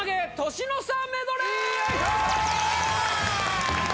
年の差メドレー